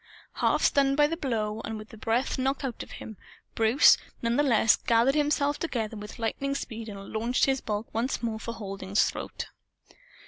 Half stunned by the blow, and with the breath knocked out of him, Bruce none the less gathered himself together with lightning speed and launched his bulk once more for Halding's throat.